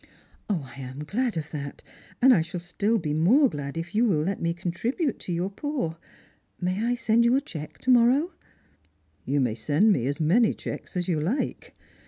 " I am glad of that, and I shall be stiU more glad if you wiU let me contribute to your poor. May I send you a cheque to morrow ?"" You may send me as many cheques as you like.